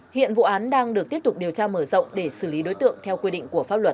hiện vụ án đang được tiếp tục điều tra mở rộng để xử lý đối tượng theo quy định của pháp luật